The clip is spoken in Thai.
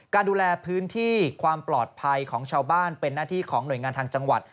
ดูแลพื้นที่ความปลอดภัยของชาวบ้านเป็นหน้าที่ของหน่วยงานทางจังหวัด